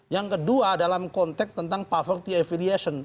yang kedua dalam konteks tentang poverty aviliation